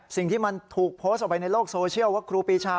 สิ่งที่มันถูกโพสต์ออกไปในโลกโซเชียลว่าครูปีชา